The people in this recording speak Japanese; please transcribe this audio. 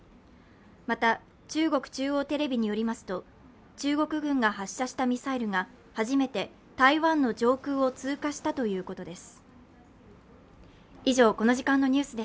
また中国中央テレビによりますと中国軍が発射したミサイルが初めて台湾の上空を通過したということです。